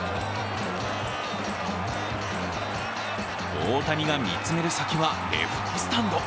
大谷が見つめる先はレフトスタンド。